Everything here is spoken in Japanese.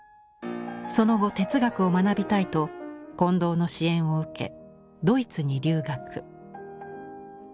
その後哲学を学びたいと近藤の支援を受けドイツに留学。